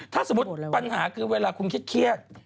ถ้าสมมุติปัญหาคือเวลาคุณเครียด